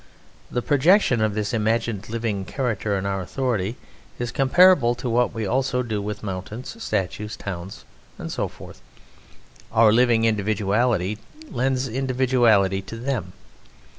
The projection of this imagined living character in our authority is comparable to what we also do with mountains, statues, towns, and so forth. Our living individuality lends individuality to them.